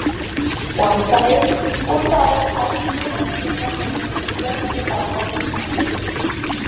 Juan Sáez Hurtado alentó la Acción Católica, especialmente para jóvenes y mujeres.